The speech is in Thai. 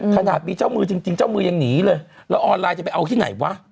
ขนาดมีเจ้ามือจริงเจ้ามือยังหนีเลยแล้วออนไลน์จะไปเอาที่ไหนวะ